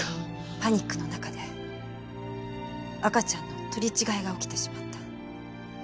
パニックの中で赤ちゃんの取り違いが起きてしまった。